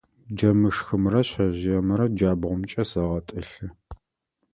Джэмышхымрэ шъэжъыемрэ джабгъумкӏэ сэгъэтӏылъы.